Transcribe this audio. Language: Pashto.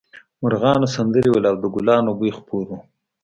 مرغانو سندرې ویلې او د ګلانو بوی خپور و